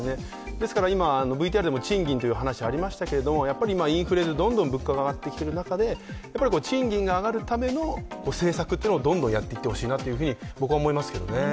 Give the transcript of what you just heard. ですから今、ＶＴＲで賃金という話がありましたけれどもやっぱり今インフレでどんどん物価が上がってきている中で賃金が上がるための政策をどんどんやっていってほしいなと僕は思いますけどね。